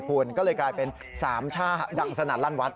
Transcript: คุณก็เลยกลายเป็นสามช่าดังสนั่นลั่นวัด